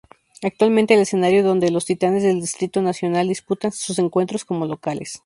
Actualmente el escenario donde los Titanes del Distrito Nacional disputan sus encuentros como locales.